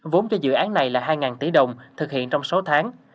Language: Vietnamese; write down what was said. vốn cho dự án này là hai tỷ đồng thực hiện trong sáu tháng